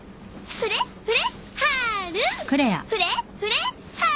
フレッフレッハル！